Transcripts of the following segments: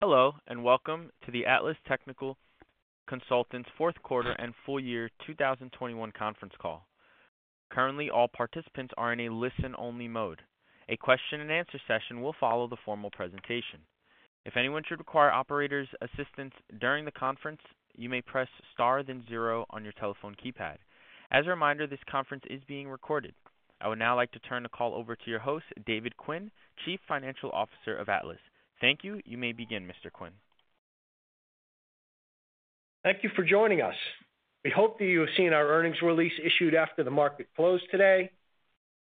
Hello, and welcome to the Atlas Technical Consultants fourth quarter and full year 2021 conference call. Currently, all participants are in a listen-only mode. A question-and-answer session will follow the formal presentation. If anyone should require operator's assistance during the conference, you may press star, then zero on your telephone keypad. As a reminder, this conference is being recorded. I would now like to turn the call over to your host, David Quinn, Chief Financial Officer of Atlas. Thank you. You may begin, Mr. Quinn. Thank you for joining us. We hope that you have seen our earnings release issued after the market closed today.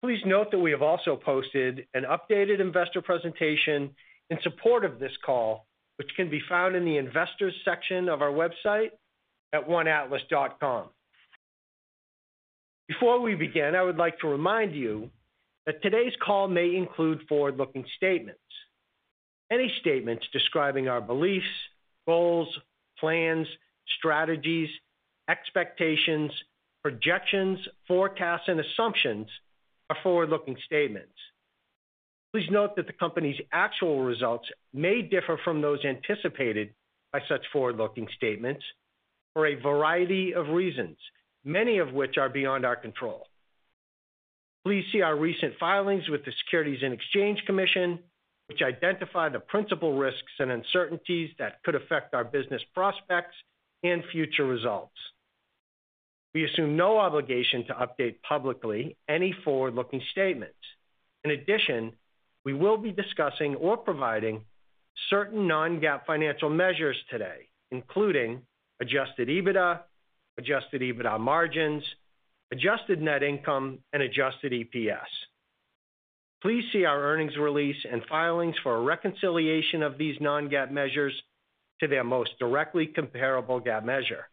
Please note that we have also posted an updated investor presentation in support of this call, which can be found in the investors section of our website at oneatlas.com. Before we begin, I would like to remind you that today's call may include forward-looking statements. Any statements describing our beliefs, goals, plans, strategies, expectations, projections, forecasts, and assumptions are forward-looking statements. Please note that the company's actual results may differ from those anticipated by such forward-looking statements for a variety of reasons, many of which are beyond our control. Please see our recent filings with the Securities and Exchange Commission, which identify the principal risks and uncertainties that could affect our business prospects and future results. We assume no obligation to update publicly any forward-looking statements. In addition, we will be discussing or providing certain non-GAAP financial measures today, including Adjusted EBITDA, Adjusted EBITDA margins, adjusted net income, and Adjusted EPS. Please see our earnings release and filings for a reconciliation of these non-GAAP measures to their most directly comparable GAAP measure.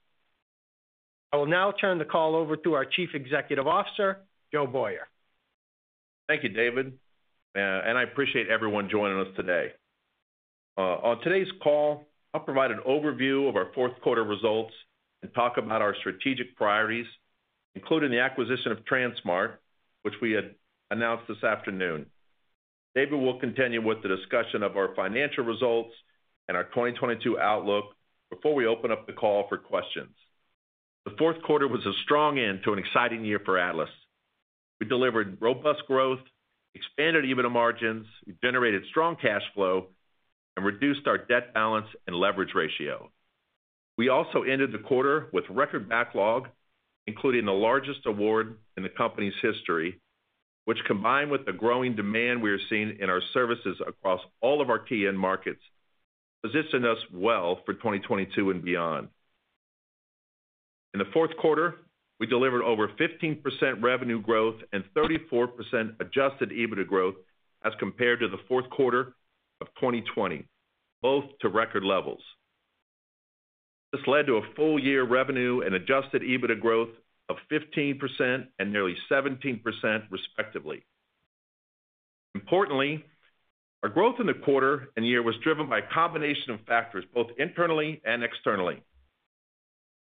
I will now turn the call over to our Chief Executive Officer, Joe Boyer. Thank you, David. I appreciate everyone joining us today. On today's call, I'll provide an overview of our fourth quarter results and talk about our strategic priorities, including the acquisition of TranSmart, which we had announced this afternoon. David will continue with the discussion of our financial results and our 2022 outlook before we open up the call for questions. The fourth quarter was a strong end to an exciting year for Atlas. We delivered robust growth, expanded EBITDA margins, we generated strong cash flow, and reduced our debt balance and leverage ratio. We also ended the quarter with record backlog, including the largest award in the company's history, which combined with the growing demand we are seeing in our services across all of our key end markets, positioning us well for 2022 and beyond. In the fourth quarter, we delivered over 15% revenue growth and 34% Adjusted EBITDA growth as compared to the fourth quarter of 2020, both to record levels. This led to a full year revenue and Adjusted EBITDA growth of 15% and nearly 17%, respectively. Importantly, our growth in the quarter and year was driven by a combination of factors, both internally and externally.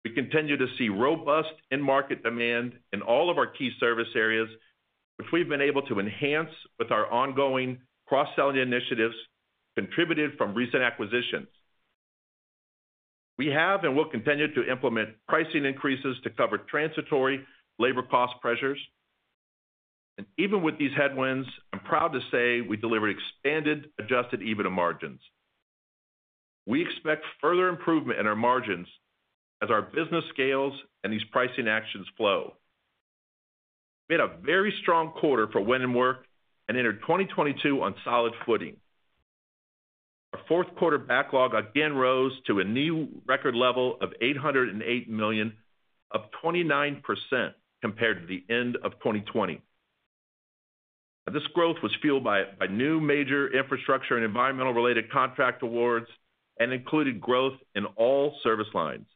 We continue to see robust end market demand in all of our key service areas, which we've been able to enhance with our ongoing cross-selling initiatives contributed from recent acquisitions. We have and will continue to implement pricing increases to cover transitory labor cost pressures. Even with these headwinds, I'm proud to say we delivered expanded Adjusted EBITDA margins. We expect further improvement in our margins as our business scales and these pricing actions flow. We had a very strong quarter for win and work and entered 2022 on solid footing. Our fourth quarter backlog again rose to a new record level of $808 million, up 29% compared to the end of 2020. This growth was fueled by new major infrastructure and environmental related contract awards and included growth in all service lines.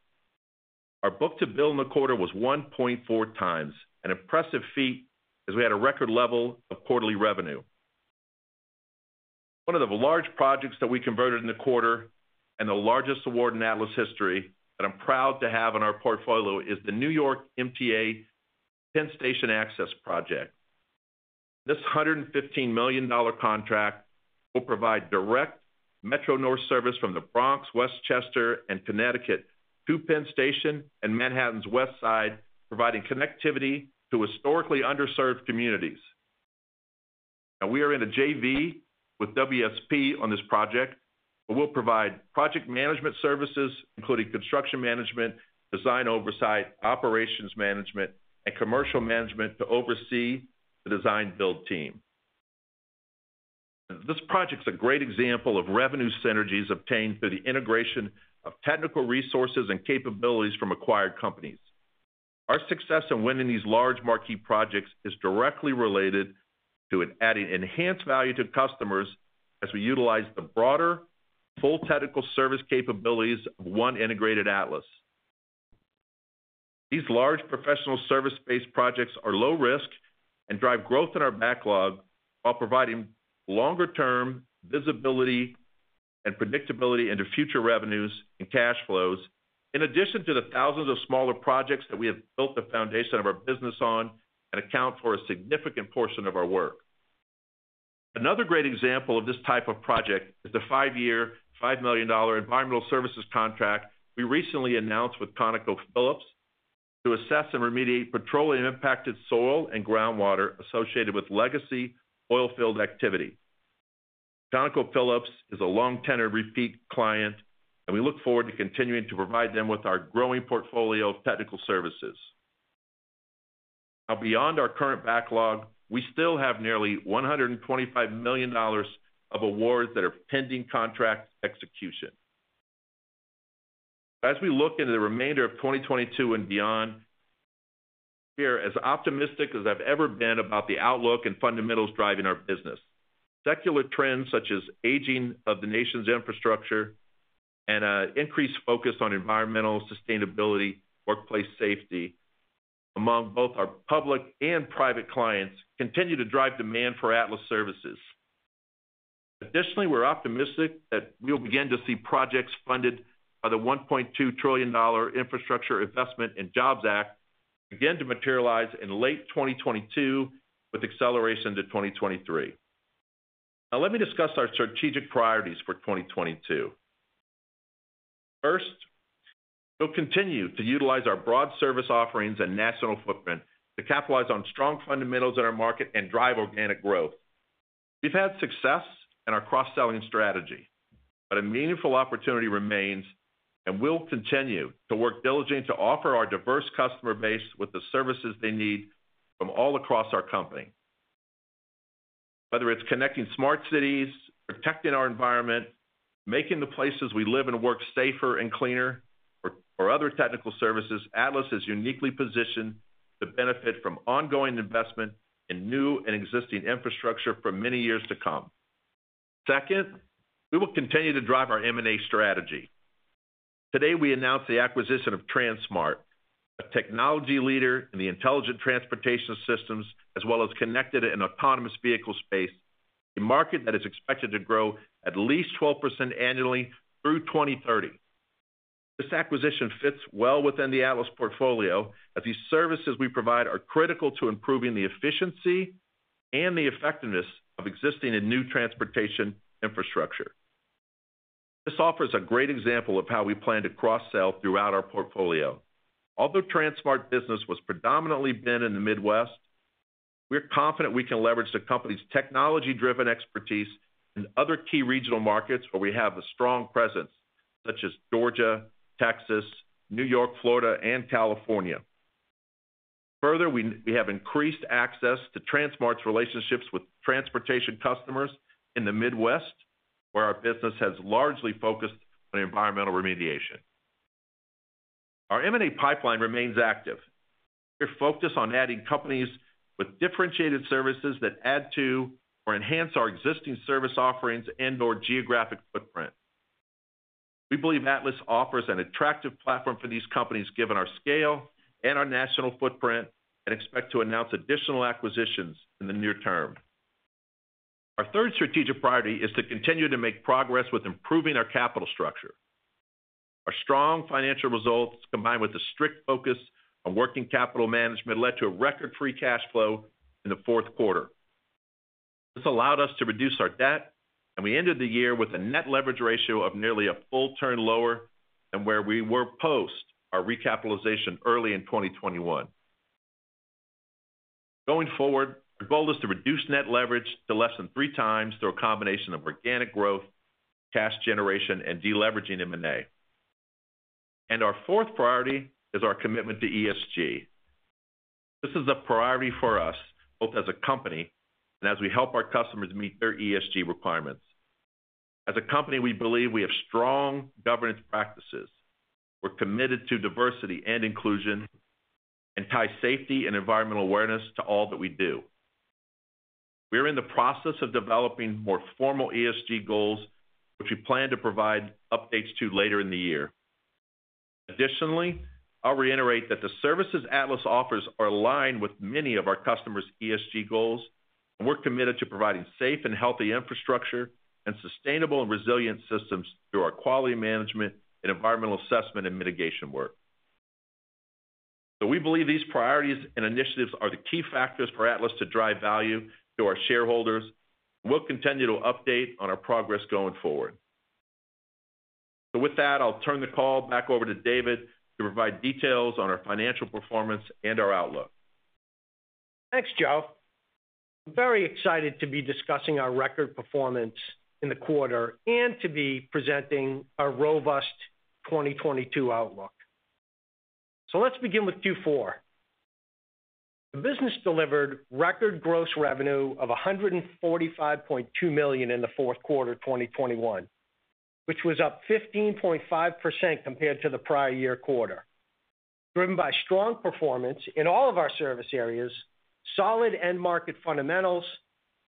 Our book-to-bill in the quarter was 1.4 times, an impressive feat as we had a record level of quarterly revenue. One of the large projects that we converted in the quarter and the largest award in Atlas history that I'm proud to have in our portfolio is the New York MTA Penn Station Access project. This $115 million contract will provide direct Metro-North service from the Bronx, Westchester, and Connecticut to Penn Station and Manhattan's West Side, providing connectivity to historically underserved communities. Now, we are in a JV with WSP on this project, and we'll provide project management services, including construction management, design oversight, operations management, and commercial management to oversee the design build team. This project's a great example of revenue synergies obtained through the integration of technical resources and capabilities from acquired companies. Our success in winning these large marquee projects is directly related to adding enhanced value to customers as we utilize the broader full technical service capabilities of one integrated Atlas. These large professional service-based projects are low risk and drive growth in our backlog while providing longer-term visibility and predictability into future revenues and cash flows. In addition to the thousands of smaller projects that we have built the foundation of our business on and account for a significant portion of our work, another great example of this type of project is the five-year, $5 million environmental services contract we recently announced with ConocoPhillips to assess and remediate petroleum-impacted soil and groundwater associated with legacy oil field activity. ConocoPhillips is a long-tenured repeat client, and we look forward to continuing to provide them with our growing portfolio of technical services. Now, beyond our current backlog, we still have nearly $125 million of awards that are pending contract execution. As we look into the remainder of 2022 and beyond, we are as optimistic as I've ever been about the outlook and fundamentals driving our business. Secular trends such as aging of the nation's infrastructure and an increased focus on environmental sustainability, workplace safety, among both our public and private clients, continue to drive demand for Atlas services. Additionally, we're optimistic that we'll begin to see projects funded by the $1.2 trillion Infrastructure Investment and Jobs Act begin to materialize in late 2022, with acceleration to 2023. Now let me discuss our strategic priorities for 2022. First, we'll continue to utilize our broad service offerings and national footprint to capitalize on strong fundamentals in our market and drive organic growth. We've had success in our cross-selling strategy, but a meaningful opportunity remains, and we'll continue to work diligently to offer our diverse customer base with the services they need from all across our company. Whether it's connecting smart cities, protecting our environment, making the places we live and work safer and cleaner, or other technical services, Atlas is uniquely positioned to benefit from ongoing investment in new and existing infrastructure for many years to come. Second, we will continue to drive our M&A strategy. Today, we announced the acquisition of TranSmart, a technology leader in the Intelligent Transportation Systems, as well as connected and autonomous vehicle space, a market that is expected to grow at least 12% annually through 2030. This acquisition fits well within the Atlas portfolio, as these services we provide are critical to improving the efficiency and the effectiveness of existing and new transportation infrastructure. This offers a great example of how we plan to cross-sell throughout our portfolio. Although TranSmart business was predominantly been in the Midwest, we're confident we can leverage the company's technology-driven expertise in other key regional markets where we have a strong presence, such as Georgia, Texas, New York, Florida, and California. Further, we have increased access to TranSmart's relationships with transportation customers in the Midwest, where our business has largely focused on environmental remediation. Our M&A pipeline remains active. We're focused on adding companies with differentiated services that add to or enhance our existing service offerings and/or geographic footprint. We believe Atlas offers an attractive platform for these companies, given our scale and our national footprint, and expect to announce additional acquisitions in the near term. Our third strategic priority is to continue to make progress with improving our capital structure. Our strong financial results, combined with a strict focus on working capital management, led to a record free cash flow in the fourth quarter. This allowed us to reduce our debt, and we ended the year with a net leverage ratio of nearly a full turn lower than where we were post our recapitalization early in 2021. Going forward, our goal is to reduce net leverage to less than three times through a combination of organic growth, cash generation, and de-leveraging M&A. Our fourth priority is our commitment to ESG. This is a priority for us, both as a company and as we help our customers meet their ESG requirements. As a company, we believe we have strong governance practices. We're committed to diversity and inclusion, and tie safety and environmental awareness to all that we do. We're in the process of developing more formal ESG goals, which we plan to provide updates to later in the year. Additionally, I'll reiterate that the services Atlas offers are aligned with many of our customers' ESG goals, and we're committed to providing safe and healthy infrastructure and sustainable and resilient systems through our quality management and environmental assessment and mitigation work. We believe these priorities and initiatives are the key factors for Atlas to drive value to our shareholders. We'll continue to update on our progress going forward. With that, I'll turn the call back over to David to provide details on our financial performance and our outlook. Thanks, Joe. I'm very excited to be discussing our record performance in the quarter and to be presenting a robust 2022 outlook. Let's begin with Q4. The business delivered record gross revenue of $145.2 million in the fourth quarter of 2021, which was up 15.5% compared to the prior year quarter. Driven by strong performance in all of our service areas, solid end market fundamentals,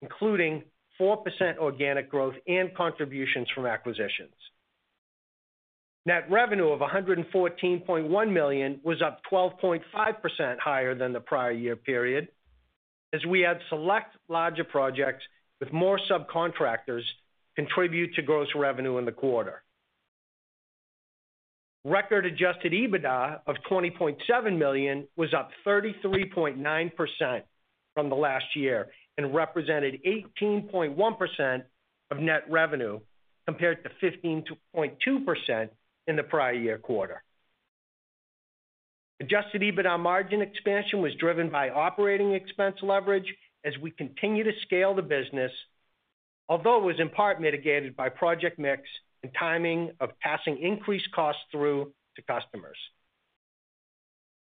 including 4% organic growth and contributions from acquisitions. Net revenue of $114.1 million was up 12.5% higher than the prior year period, as we add select larger projects with more subcontractors contribute to gross revenue in the quarter. Record Adjusted EBITDA of $20.7 million was up 33.9% from the last year and represented 18.1% of net revenue, compared to 15.2% in the prior year quarter. Adjusted EBITDA margin expansion was driven by operating expense leverage as we continue to scale the business. Although it was in part mitigated by project mix and timing of passing increased costs through to customers.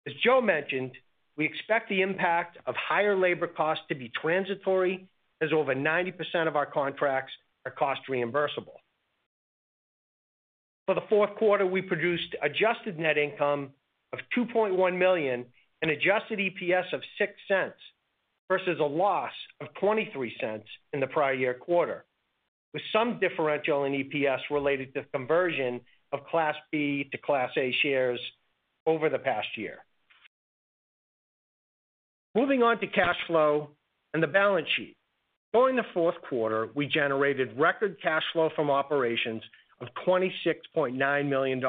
As Joe mentioned, we expect the impact of higher labor costs to be transitory, as over 90% of our contracts are cost reimbursable. For the fourth quarter, we produced adjusted net income of $2.1 million and Adjusted EPS of $0.06 versus a loss of $0.23 in the prior year quarter, with some differential in EPS related to conversion of Class B to Class A shares over the past year. Moving on to cash flow and the balance sheet. During the fourth quarter, we generated record cash flow from operations of $26.9 million,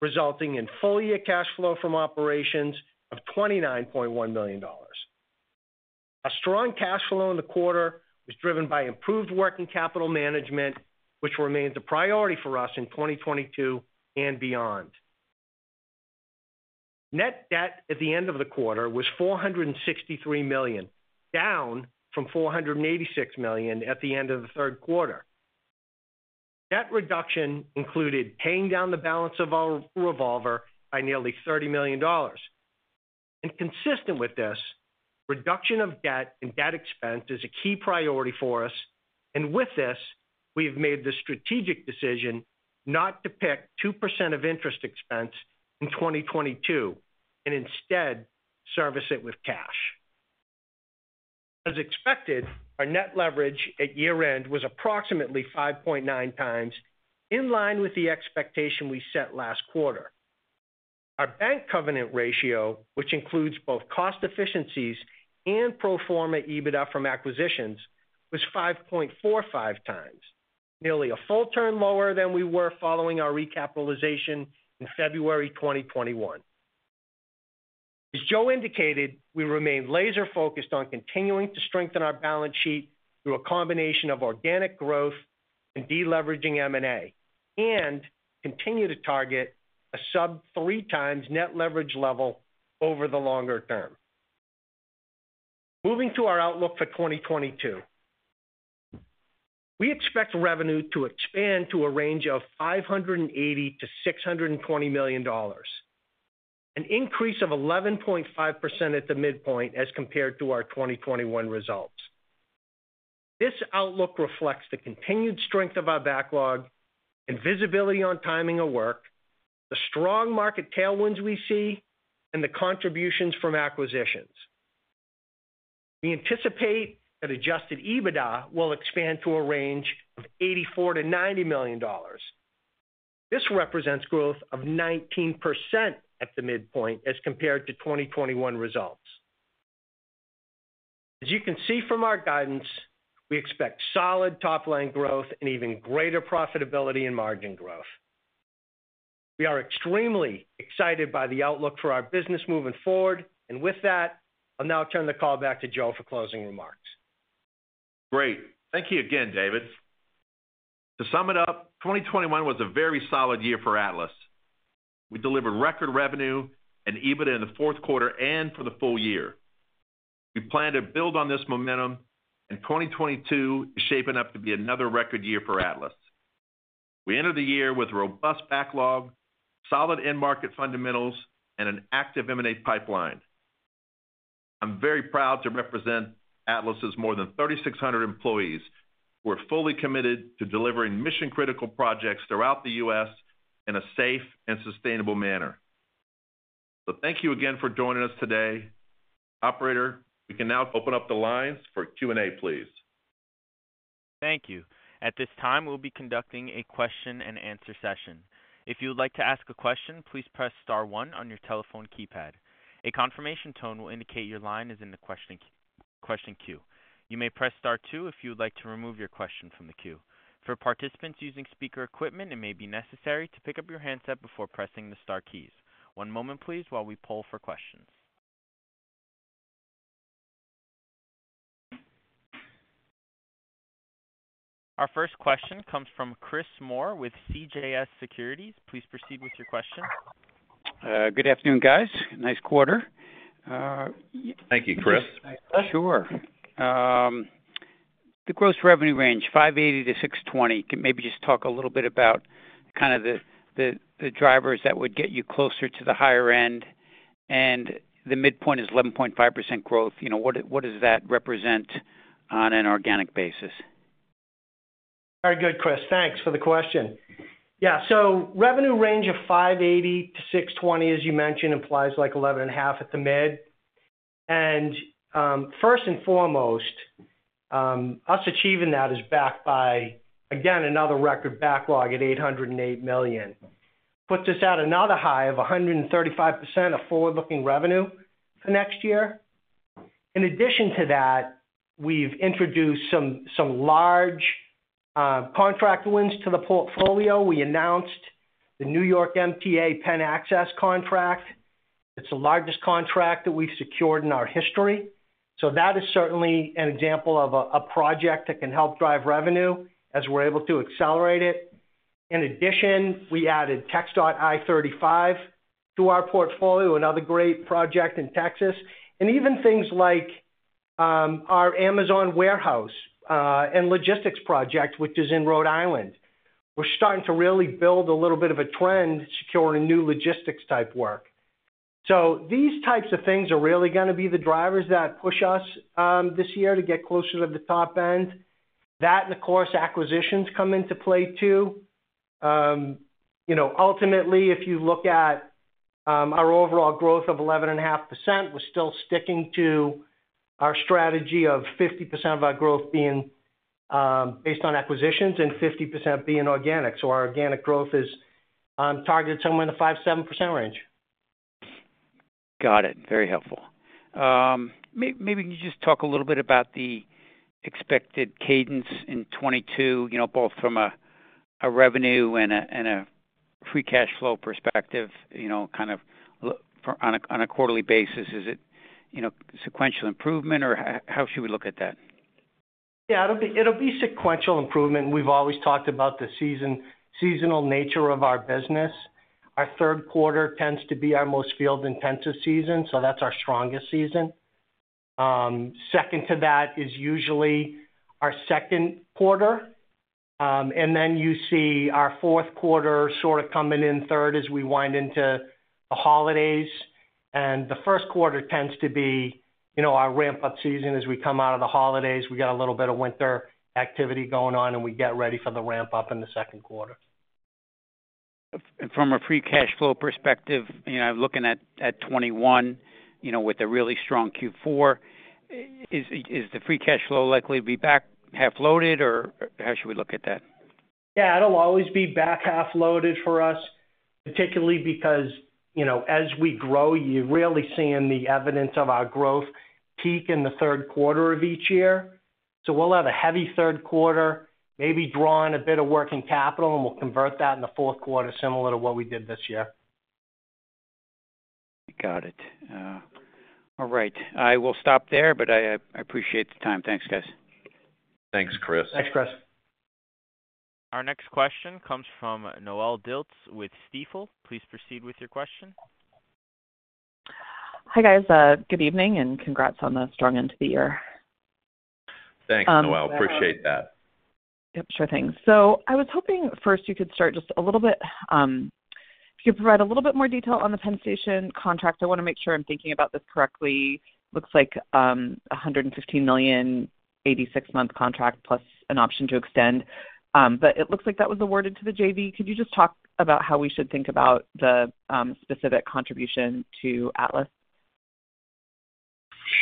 resulting in full-year cash flow from operations of $29.1 million. Our strong cash flow in the quarter was driven by improved working capital management, which remains a priority for us in 2022 and beyond. Net debt at the end of the quarter was $463 million, down from $486 million at the end of the third quarter. Debt reduction included paying down the balance of our revolver by nearly $30 million. Consistent with this, reduction of debt and debt expense is a key priority for us, and with this, we have made the strategic decision not to PIK 2% of interest expense in 2022 and instead service it with cash. As expected, our net leverage at year-end was approximately 5.9 times, in line with the expectation we set last quarter. Our bank covenant ratio, which includes both cost efficiencies and pro forma EBITDA from acquisitions, was 5.45 times, nearly a full turn lower than we were following our recapitalization in February 2021. As Joe indicated, we remain laser-focused on continuing to strengthen our balance sheet through a combination of organic growth and deleveraging M&A, and continue to target a sub-3 times net leverage level over the longer term. Moving to our outlook for 2022. We expect revenue to expand to a range of $580 million-$620 million, an increase of 11.5% at the midpoint as compared to our 2021 results. This outlook reflects the continued strength of our backlog and visibility on timing of work, the strong market tailwinds we see, and the contributions from acquisitions. We anticipate that Adjusted EBITDA will expand to a range of $84 million-$90 million. This represents growth of 19% at the midpoint as compared to 2021 results. As you can see from our guidance, we expect solid top-line growth and even greater profitability and margin growth. We are extremely excited by the outlook for our business moving forward. With that, I'll now turn the call back to Joe for closing remarks. Great. Thank you again, David. To sum it up, 2021 was a very solid year for Atlas. We delivered record revenue and EBITDA in the fourth quarter and for the full year. We plan to build on this momentum, and 2022 is shaping up to be another record year for Atlas. We enter the year with robust backlog, solid end market fundamentals, and an active M&A pipeline. I'm very proud to represent Atlas' more than 3,600 employees. We're fully committed to delivering mission-critical projects throughout the U.S. in a safe and sustainable manner. Thank you again for joining us today. Operator, we can now open up the lines for Q and A, please. Thank you. At this time, we'll be conducting a question-and-answer session. If you would like to ask a question, please press star one on your telephone keypad. A confirmation tone will indicate your line is in the question queue. You may press star two if you would like to remove your question from the queue. For participants using speaker equipment, it may be necessary to pick up your handset before pressing the star keys. One moment, please, while we poll for questions. Our first question comes from Chris Moore with CJS Securities. Please proceed with your question. Good afternoon, guys. Nice quarter. Thank you, Chris. Thanks, Chris. Sure. The gross revenue range, $580-$620. Can you maybe just talk a little bit about kind of the drivers that would get you closer to the higher end? The midpoint is 11.5% growth. You know, what does that represent on an organic basis? All right. Good, Chris. Thanks for the question. Yeah. Revenue range of $580 million-$620 million, as you mentioned, implies like 11.5% at the mid. First and foremost, us achieving that is backed by, again, another record backlog at $808 million. Puts us at another high of 135% of forward-looking revenue for next year. In addition to that, we've introduced some large contract wins to the portfolio. We announced the New York MTA Penn Access contract. It's the largest contract that we've secured in our history. That is certainly an example of a project that can help drive revenue as we're able to accelerate it. In addition, we added TxDOT I-35 to our portfolio, another great project in Texas. Even things like our Amazon warehouse and logistics project, which is in Rhode Island. We're starting to really build a little bit of a trend securing new logistics-type work. These types of things are really gonna be the drivers that push us, this year to get closer to the top end. That, and of course, acquisitions come into play, too. You know, ultimately, if you look at our overall growth of 11.5%, we're still sticking to our strategy of 50% of our growth being based on acquisitions and 50% being organic. Our organic growth is targeted somewhere in the 5%-7% range. Got it. Very helpful. Maybe can you just talk a little bit about the expected cadence in 2022, you know, both from a revenue and free cash flow perspective, you know, kind of for on a quarterly basis. Is it, you know, sequential improvement, or how should we look at that? Yeah, it'll be sequential improvement. We've always talked about the seasonal nature of our business. Our third quarter tends to be our most field-intensive season, so that's our strongest season. Second to that is usually our second quarter. You see our fourth quarter sort of coming in third as we wind into the holidays. The first quarter tends to be, you know, our ramp-up season as we come out of the holidays. We got a little bit of winter activity going on, and we get ready for the ramp up in the second quarter. From a free cash flow perspective, you know, looking at 2021, you know, with a really strong Q4, is the free cash flow likely to be back half loaded or how should we look at that? Yeah, it'll always be back half loaded for us, particularly because, you know, as we grow, you're really seeing the evidence of our growth peak in the third quarter of each year. We'll have a heavy third quarter, maybe draw in a bit of working capital, and we'll convert that in the fourth quarter, similar to what we did this year. Got it. All right. I will stop there, but I appreciate the time. Thanks, guys. Thanks, Chris. Thanks, Chris. Our next question comes from Noelle Dilts with Stifel. Please proceed with your question. Hi, guys, good evening, and congrats on the strong end to the year. Thanks, Noelle. Appreciate that. Yep, sure thing. I was hoping first you could start just a little bit, if you could provide a little bit more detail on the Penn Station contract. I wanna make sure I'm thinking about this correctly. Looks like $115 million, 86-month contract plus an option to extend. But it looks like that was awarded to the JV. Could you just talk about how we should think about the specific contribution to Atlas?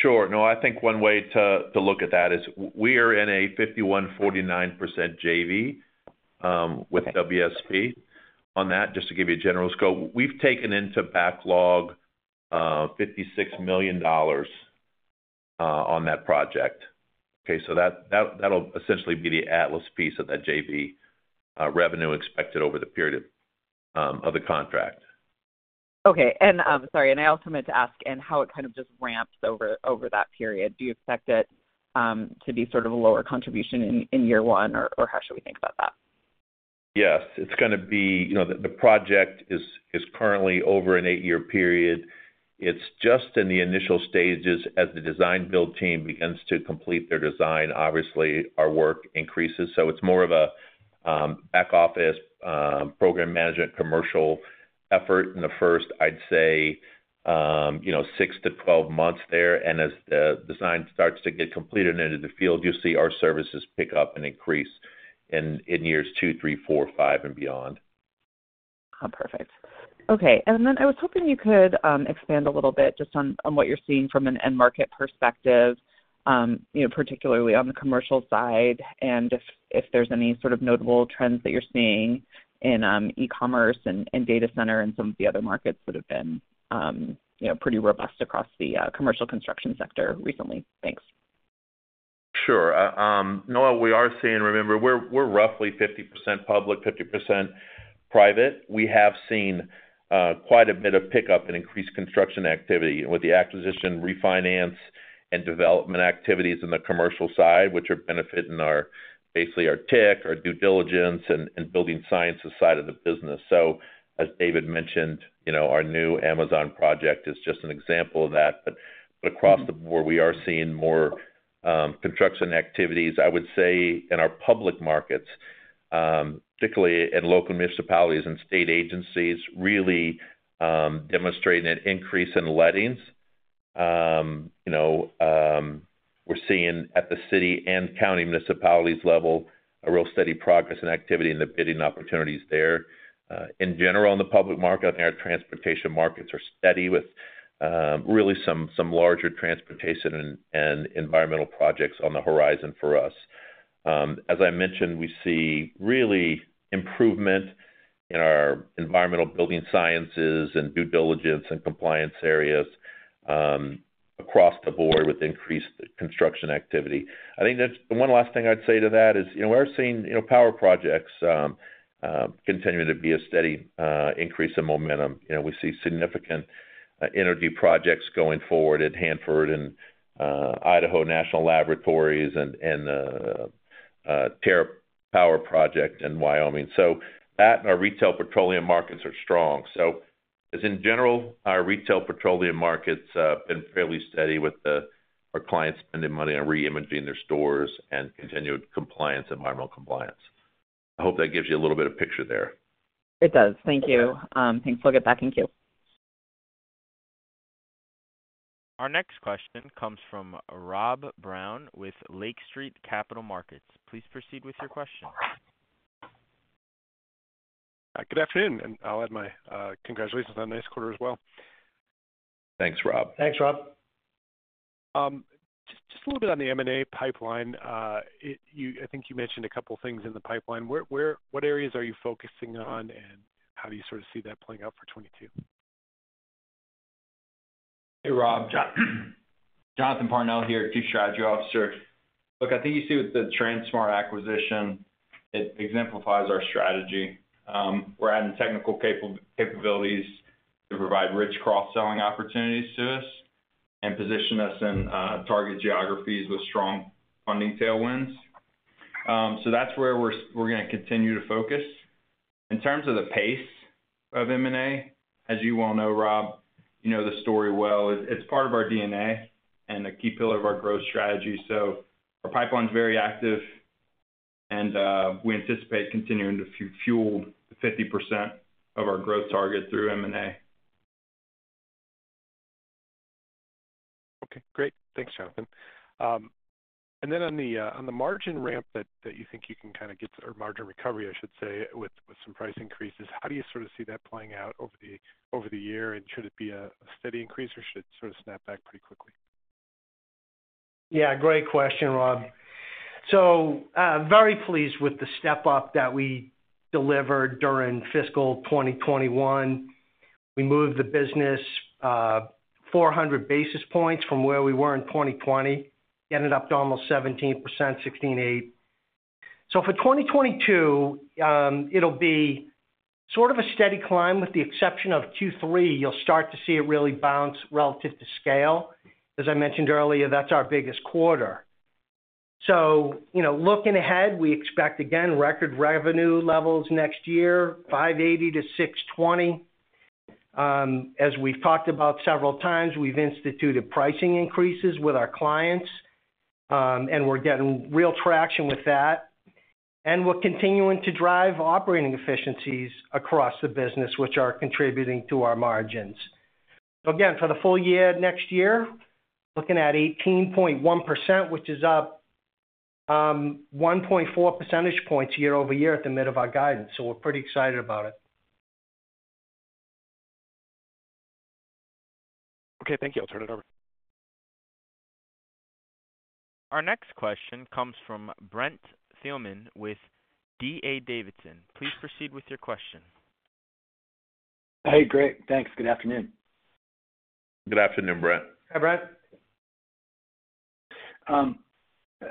Sure. No, I think one way to look at that is we are in a 51-49% JV with WSP on that, just to give you a general scope. We've taken into backlog $56 million on that project. Okay, so that'll essentially be the Atlas piece of that JV revenue expected over the period of the contract. Okay, sorry, and I also meant to ask, and how it kind of just ramps over that period. Do you expect it to be sort of a lower contribution in year one, or how should we think about that? Yes. It's gonna be you know, the project is currently over an eight-year period. It's just in the initial stages as the design build team begins to complete their design. Obviously, our work increases, so it's more of a back office program management commercial effort in the first, I'd say, you know, 6-12 months there. As the design starts to get completed and into the field, you'll see our services pick up and increase in years two, three, four, five and beyond. Oh, perfect. Okay. I was hoping you could expand a little bit just on what you're seeing from an end market perspective, you know, particularly on the commercial side and if there's any sort of notable trends that you're seeing in e-commerce and data center and some of the other markets that have been, you know, pretty robust across the commercial construction sector recently. Thanks. Sure. Noelle, we are seeing. Remember, we're roughly 50% public, 50% private. We have seen quite a bit of pickup in increased construction activity with the acquisition, refinance, and development activities in the commercial side, which are benefiting our, basically our tech, our due diligence, and building sciences side of the business. As David mentioned, you know, our new Amazon project is just an example of that. Across the board, we are seeing more construction activities, I would say, in our public markets, particularly in local municipalities and state agencies, really demonstrating an increase in lettings. You know, we're seeing at the city and county municipalities level a real steady progress in activity in the bidding opportunities there. In general, in the public market and our transportation markets are steady with really some larger transportation and environmental projects on the horizon for us. As I mentioned, we see real improvement in our environmental building sciences and due diligence and compliance areas across the board with increased construction activity. I think the one last thing I'd say to that is, you know, we're seeing, you know, power projects continuing to be a steady increase in momentum. You know, we see significant energy projects going forward at Hanford and Idaho National Laboratory and TerraPower project in Wyoming. That and our retail petroleum markets are strong. Just in general, our retail petroleum market's been fairly steady with our clients spending money on reimaging their stores and continued compliance, environmental compliance. I hope that gives you a little bit of picture there. It does. Thank you. Thanks. We'll get back in queue. Our next question comes from Rob Brown with Lake Street Capital Markets. Please proceed with your question. Good afternoon, and I'll add my congratulations on a nice quarter as well. Thanks, Rob. Thanks, Rob. Just a little bit on the M&A pipeline. I think you mentioned a couple of things in the pipeline. What areas are you focusing on, and how do you sort of see that playing out for 2022? Hey, Rob. Jonathan Parnell here, Chief Strategy Officer. Look, I think you see with the TranSmart acquisition, it exemplifies our strategy. We're adding technical capabilities to provide rich cross-selling opportunities to us and position us in target geographies with strong funding tailwinds. That's where we're gonna continue to focus. In terms of the pace of M&A, as you well know, Rob, you know the story well. It's part of our DNA and a key pillar of our growth strategy. Our pipeline's very active, and we anticipate continuing to fuel 50% of our growth target through M&A. Okay, great. Thanks, Jonathan. Then on the margin ramp that you think you can kind of get or margin recovery, I should say, with some price increases, how do you sort of see that playing out over the year? Should it be a steady increase, or should it sort of snap back pretty quickly? Yeah, great question, Rob. Very pleased with the step-up that we delivered during fiscal 2021. We moved the business, 400 basis points from where we were in 2020, ended up to almost 17%, 16.8%. For 2022, it'll be sort of a steady climb with the exception of Q3. You'll start to see it really bounce relative to scale. As I mentioned earlier, that's our biggest quarter. You know, looking ahead, we expect again record revenue levels next year, $580-$620. As we've talked about several times, we've instituted pricing increases with our clients, and we're getting real traction with that. We're continuing to drive operating efficiencies across the business which are contributing to our margins. Again, for the full year next year, looking at 18.1%, which is up 1.4 percentage points year-over-year at the mid of our guidance. We're pretty excited about it. Okay, thank you. I'll turn it over. Our next question comes from Brent Thielman with D.A. Davidson. Please proceed with your question. Hey, great. Thanks. Good afternoon. Good afternoon, Brent. Hi, Brent.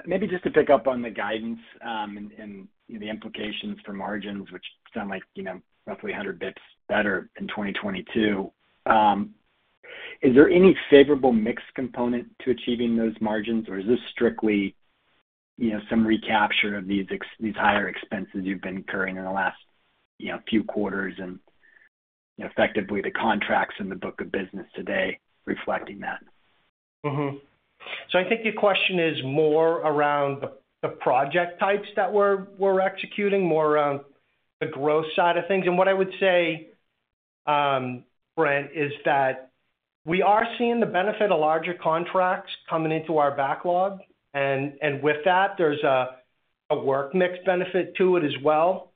Maybe just to pick up on the guidance, and the implications for margins, which sound like, you know, roughly 100 basis points better in 2022. Is there any favorable mix component to achieving those margins, or is this strictly, you know, some recapture of these higher expenses you've been incurring in the last, you know, few quarters and effectively the contracts in the book of business today reflecting that? Mm-hmm. I think your question is more around the project types that we're executing, more around the growth side of things. What I would say, Brent, is that we are seeing the benefit of larger contracts coming into our backlog. With that, there's a work mix benefit to it as well,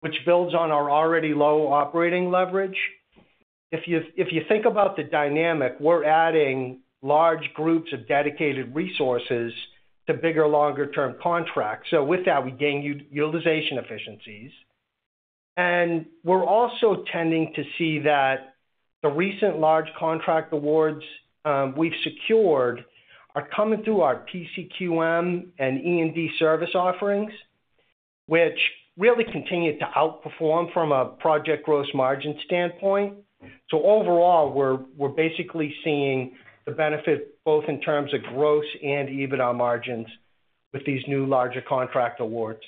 which builds on our already low operating leverage. If you think about the dynamic, we're adding large groups of dedicated resources to bigger, longer term contracts. With that, we gain utilization efficiencies. We're also tending to see that the recent large contract awards we've secured are coming through our PCQM and E&D service offerings, which really continue to outperform from a project gross margin standpoint. Overall, we're basically seeing the benefit both in terms of gross and EBITDA margins with these new larger contract awards.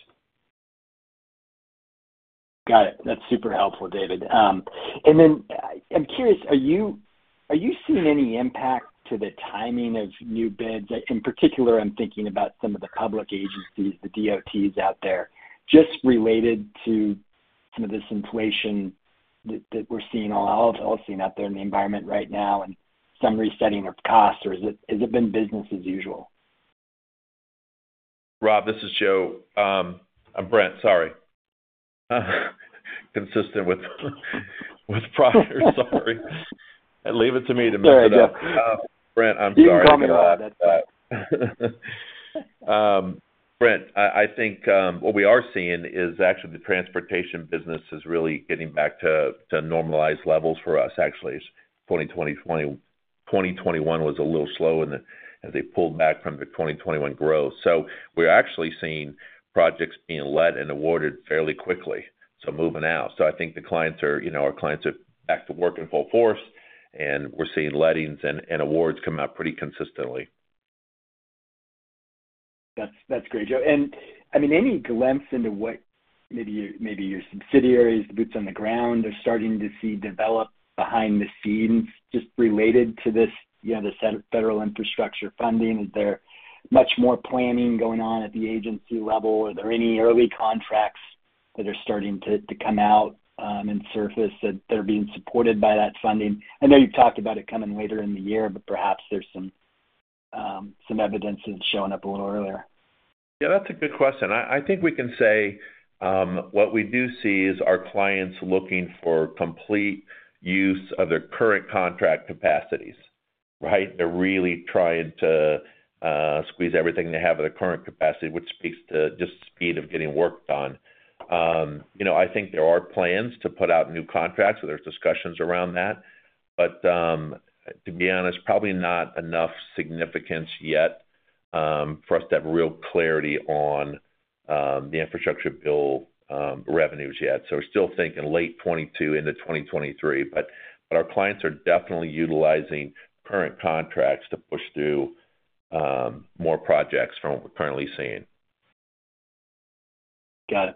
Got it. That's super helpful, David. I'm curious, are you seeing any impact to the timing of new bids? In particular, I'm thinking about some of the public agencies, the DOTs out there, just related to some of this inflation that we're seeing all over out there in the environment right now and some resetting of costs. Or is it, has it been business as usual? Rob, this is Joe. Brent, sorry. Consistent with Proctor, sorry. Leave it to me to mess it up. There you go. Brent, I'm sorry. You can call me whatever. Brent, I think what we are seeing is actually the transportation business is really getting back to normalized levels for us. Actually, 2020-2021 was a little slow and as they pulled back from the 2021 growth. We're actually seeing projects being let and awarded fairly quickly, moving out. I think the clients are, you know, our clients are back to work in full force, and we're seeing lettings and awards come out pretty consistently. That's great, Joe. I mean, any glimpse into what maybe your subsidiaries, the boots on the ground are starting to see develop behind the scenes just related to this, you know, the federal infrastructure funding. Is there much more planning going on at the agency level? Are there any early contracts that are starting to come out and surface that are being supported by that funding? I know you've talked about it coming later in the year, but perhaps there's some evidence that's showing up a little earlier. Yeah, that's a good question. I think we can say what we do see is our clients looking for complete use of their current contract capacities, right? They're really trying to squeeze everything they have at their current capacity, which speaks to just the speed of getting work done. You know, I think there are plans to put out new contracts, so there's discussions around that. But to be honest, probably not enough significance yet for us to have real clarity on the infrastructure bill revenues yet. So we're still thinking late 2022 into 2023. But our clients are definitely utilizing current contracts to push through more projects from what we're currently seeing. Got it.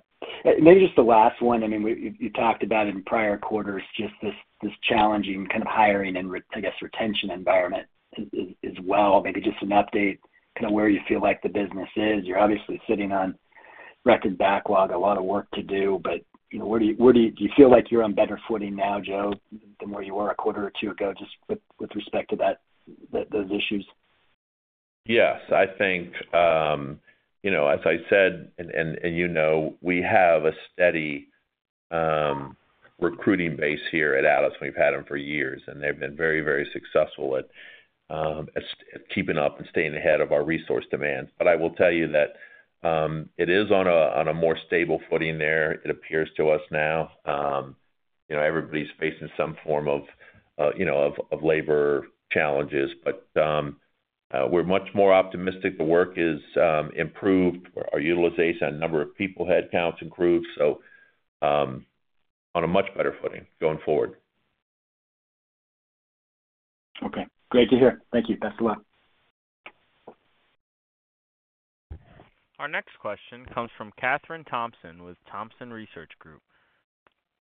Maybe just the last one. I mean, you've talked about in prior quarters just this challenging kind of hiring and I guess, retention environment as well. Maybe just an update kind of where you feel like the business is. You're obviously sitting on record backlog, a lot of work to do. You know, where do you feel like you're on better footing now, Joe, than where you were a quarter or two ago, just with respect to that, those issues? Yes. I think, you know, as I said, and you know, we have a steady recruiting base here at Atlas, and we've had them for years, and they've been very successful at keeping up and staying ahead of our resource demands. I will tell you that it is on a more stable footing there, it appears to us now. You know, everybody's facing some form of, you know, of labor challenges. We're much more optimistic the work is improved. Our utilization, number of people, headcounts improved, so on a much better footing going forward. Okay. Great to hear. Thank you. Best of luck. Our next question comes from Kathryn Thompson with Thompson Research Group.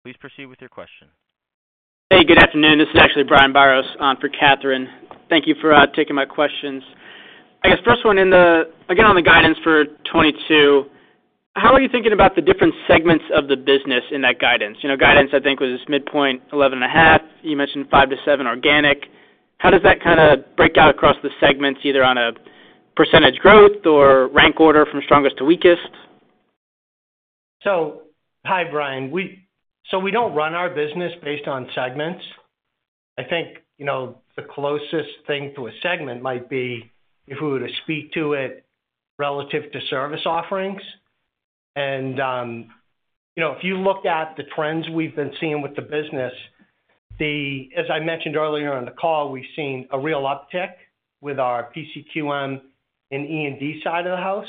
Please proceed with your question. Hey, good afternoon. This is actually Brian Biros for Kathryn. Thank you for taking my questions. I guess first one again, on the guidance for 2022, how are you thinking about the different segments of the business in that guidance? You know, guidance, I think, was midpoint 11.5. You mentioned 5-7 organic. How does that kinda break out across the segments, either on a percentage growth or rank order from strongest to weakest? Hi, Brian. We don't run our business based on segments. I think, you know, the closest thing to a segment might be if we were to speak to it relative to service offerings. You know, if you looked at the trends we've been seeing with the business. As I mentioned earlier on the call, we've seen a real uptick with our PCQM and E&D side of the house.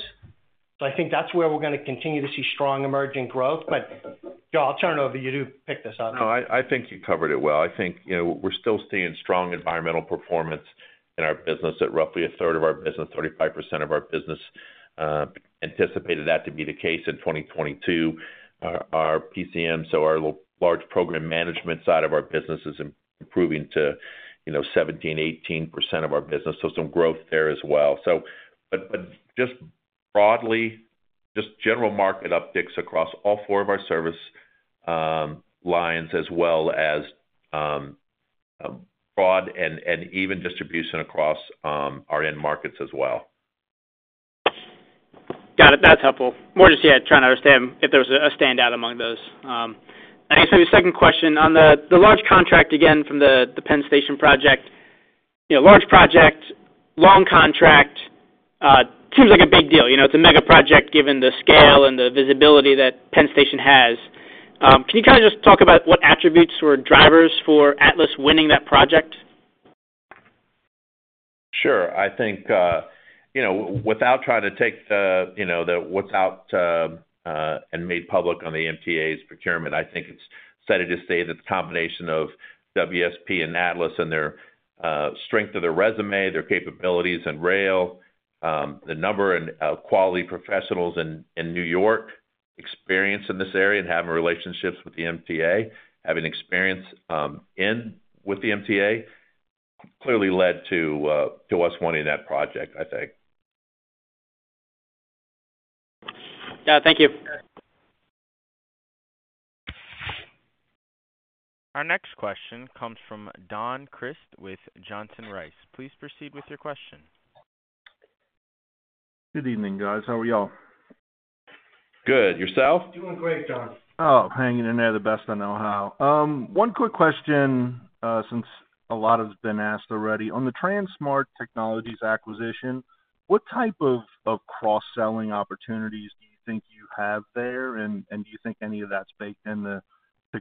I think that's where we're gonna continue to see strong emerging growth. Joe, I'll turn it over to you to pick this up. No, I think you covered it well. I think we're still seeing strong environmental performance in our business at roughly a third of our business, 35% of our business. We anticipated that to be the case in 2022. Our PCM, so our large program management side of our business is improving to 17%-18% of our business, so some growth there as well. But just broadly, just general market upticks across all four of our service lines, as well as broad and even distribution across our end markets as well. Got it. That's helpful. More just, yeah, trying to understand if there's a standout among those. I guess maybe second question on the large contract, again, from the Penn Station project. You know, large project, long contract, seems like a big deal. You know, it's a mega project given the scale and the visibility that Penn Station has. Can you kind of just talk about what attributes or drivers for Atlas winning that project? Sure. I think, you know, without trying to take the guesswork out of what's made public on the MTA's procurement, I think it's safe to say that the combination of WSP and Atlas and their strength of their resume, their capabilities in rail, the number and quality professionals in New York, experience in this area and having relationships with the MTA, having experience with the MTA clearly led to us winning that project, I think. Yeah. Thank you. Our next question comes from Don Crist with Johnson Rice. Please proceed with your question. Good evening, guys. How are y'all? Good. Yourself? Doing great, Don. Oh, hanging in there the best I know how. One quick question, since a lot has been asked already. On the TranSmart Technologies acquisition, what type of cross-selling opportunities do you think you have there, and do you think any of that's baked in the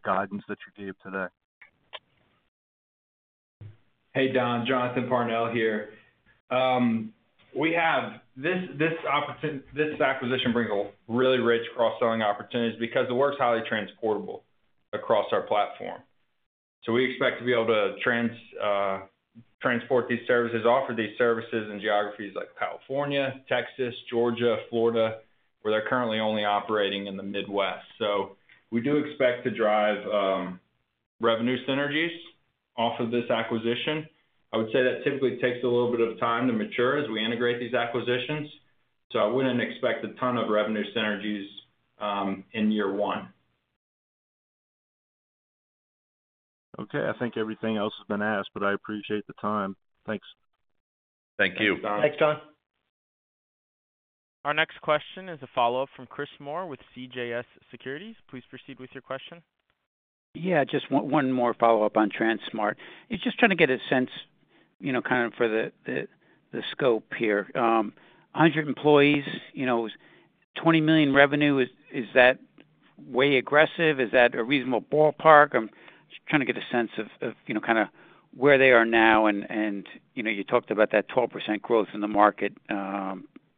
guidance that you gave today? Hey, Don, Jonathan Parnell here. We have this acquisition brings a really rich cross-selling opportunities because the work's highly transportable across our platform. We expect to be able to transport these services, offer these services in geographies like California, Texas, Georgia, Florida, where they're currently only operating in the Midwest. We do expect to drive revenue synergies off of this acquisition. I would say that typically takes a little bit of time to mature as we integrate these acquisitions, so I wouldn't expect a ton of revenue synergies in year one. Okay. I think everything else has been asked, but I appreciate the time. Thanks. Thank you. Thanks, Don. Our next question is a follow-up from Chris Moore with CJS Securities. Please proceed with your question. Yeah, just one more follow-up on TranSmart. Just trying to get a sense, you know, kind of for the scope here. 100 employees, you know, $20 million revenue, is that way aggressive? Is that a reasonable ballpark? I'm just trying to get a sense of, you know, kinda where they are now and, you know, you talked about that 12% growth in the market,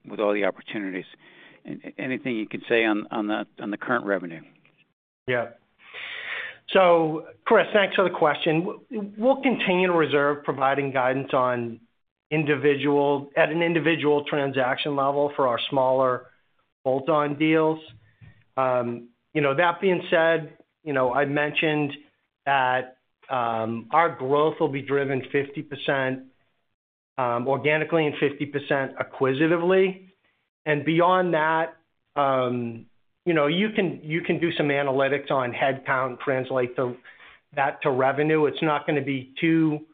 with all the opportunities. Anything you can say on the current revenue? Chris, thanks for the question. We'll continue to reserve providing guidance on individual transaction level for our smaller bolt-on deals. You know, that being said, you know, I mentioned that our growth will be driven 50%, organically and 50% acquisitively. Beyond that, you know, you can do some analytics on headcount and translate that to revenue. It's not gonna be too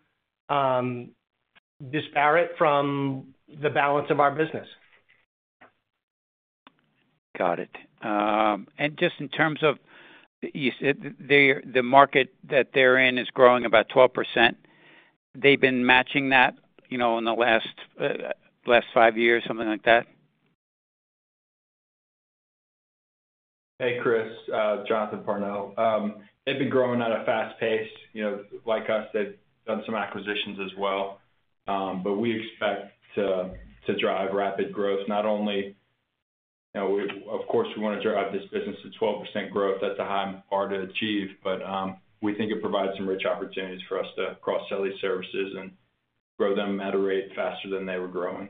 disparate from the balance of our business. Got it. Just in terms of you said the market that they're in is growing about 12%. They've been matching that, you know, in the last five years, something like that? Hey, Chris, Jonathan Parnell. They've been growing at a fast pace. You know, like us, they've done some acquisitions as well. We expect to drive rapid growth. Not only, you know, of course, we wanna drive this business to 12% growth. That's a high bar to achieve, but we think it provides some rich opportunities for us to cross-sell these services and grow them at a rate faster than they were growing.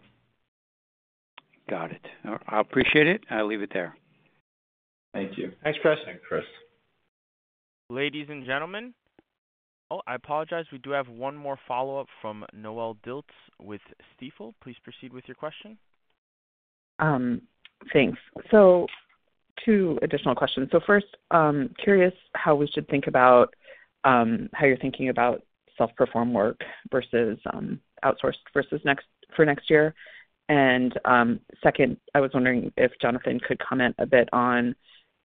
Got it. I appreciate it. I'll leave it there. Thank you. Thanks, Chris. Thanks, Chris. Ladies and gentlemen. Oh, I apologize, we do have one more follow-up from Noelle Dilts with Stifel. Please proceed with your question. Thanks. Two additional questions. First, curious how we should think about how you're thinking about self-performed work versus outsourced for next year. Second, I was wondering if Jonathan could comment a bit on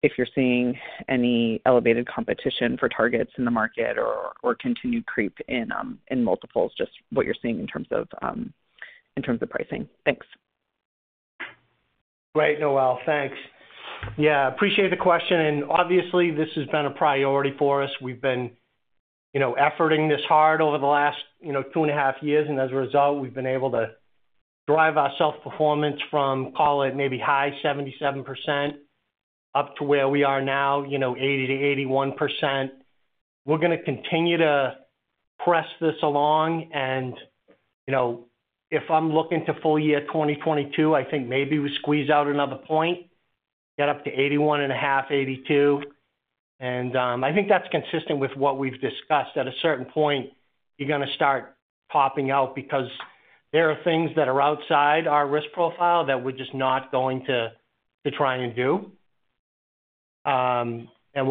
if you're seeing any elevated competition for targets in the market or continued creep in multiples, just what you're seeing in terms of pricing. Thanks. Great, Noelle. Thanks. Yeah, appreciate the question. Obviously, this has been a priority for us. We've been, you know, efforting this hard over the last, you know, 2.5 years, and as a result, we've been able to drive our self-performance from, call it, maybe high 77% up to where we are now, you know, 80%-81%. We're gonna continue to press this along and, you know, if I'm looking to full year 2022, I think maybe we squeeze out another point, get up to 81.5%, 82%. I think that's consistent with what we've discussed. At a certain point, you're gonna start popping out because there are things that are outside our risk profile that we're just not going to try and do. We're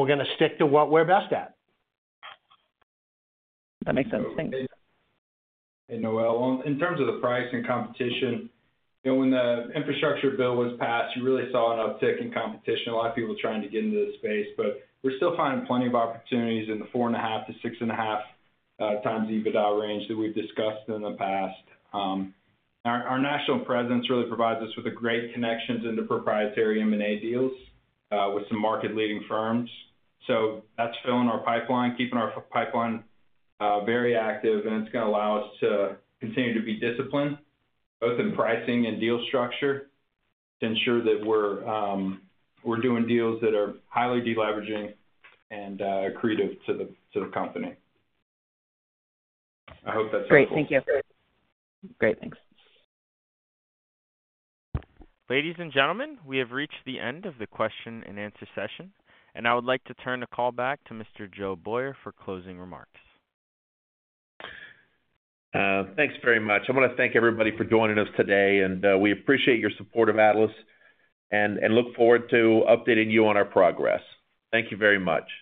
gonna stick to what we're best at. That makes sense. Thanks. Noelle, in terms of the price and competition, you know, when the infrastructure bill was passed, you really saw an uptick in competition, a lot of people trying to get into the space. We're still finding plenty of opportunities in the 4.5x-6.5x EBITDA range that we've discussed in the past. Our national presence really provides us with a great connections into proprietary M&A deals with some market-leading firms. That's filling our pipeline, keeping our pipeline very active, and it's gonna allow us to continue to be disciplined, both in pricing and deal structure, to ensure that we're doing deals that are highly deleveraging and accretive to the company. I hope that's helpful. Great. Thank you. Great. Great. Thanks. Ladies and gentlemen, we have reached the end of the question and answer session, and I would like to turn the call back to Mr. Joe Boyer for closing remarks. Thanks very much. I wanna thank everybody for joining us today, and we appreciate your support of Atlas and look forward to updating you on our progress. Thank you very much.